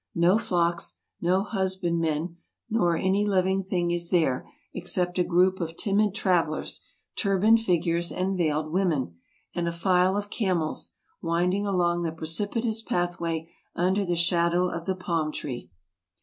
No flocks, no husbandmen, nor any living thing is there, except a group of timid travelers — turbaned figures, and veiled women, and a file of camels — winding along the precipitous pathway under the shadow of the palm tree.